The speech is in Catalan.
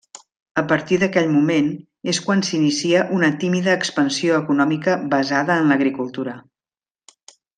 A partir d'aquell moment és quan s'inicia una tímida expansió econòmica basada en l'agricultura.